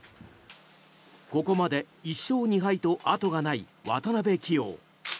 ここまで１勝２敗と後がない渡辺棋王。